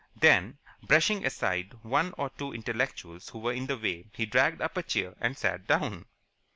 Then, brushing aside one or two intellectuals who were in the way, he dragged up a chair and sat down.